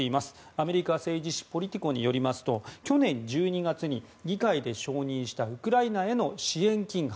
アメリカ政治誌ポリティコによりますと去年１２月に議会で承認したウクライナへの支援金額